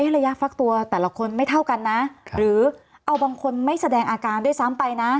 ระยะฟักตัวแต่ละคนไม่เท่ากันนะหรือเอาบางคนไม่แสดงอาการด้วยซ้ำไปนะ